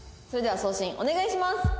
それでは送信お願いします！